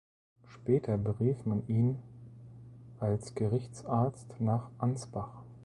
Später berief man ihn als Gerichtsarzt nach Ansbach.